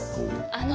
あの。